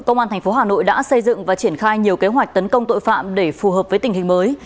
công an thành phố hà nội đã xây dựng và triển khai nhiều kế hoạch tấn công tội phạm để phù hợp với tình hình mới